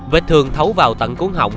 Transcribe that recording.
vết thường thấu vào tận cuốn hỏng